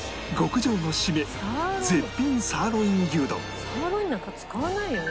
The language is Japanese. まずはサーロインなんか使わないよね